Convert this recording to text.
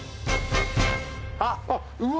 あっうわ！